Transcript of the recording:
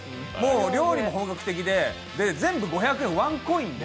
料理も本格的で、全部５００円ワンコインで。